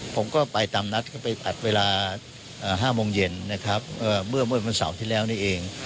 ผมก็ไปตามนัดก็ไปอัดเวลา๕โมงเย็นนะครับเมื่อวันเสาร์ที่แล้วนี่เอง